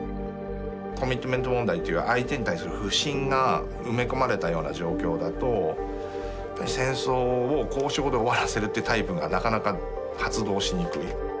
コミットメント問題という相手に対する不信が埋め込まれたような状況だと戦争を交渉で終わらせるってタイプがなかなか発動しにくい。